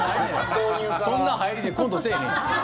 そんな入りでコントせえへんよ。